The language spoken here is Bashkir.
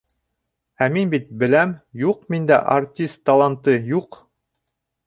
Ә мин бит беләм: юҡ миндә артист таланты, юҡ!